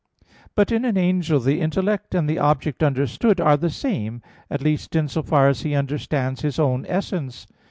But in an angel the intellect and the object understood are the same, at least in so far as he understands his own essence.